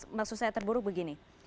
maksud saya terburuk begini